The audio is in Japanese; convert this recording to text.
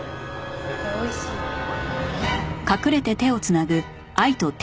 これおいしいよ。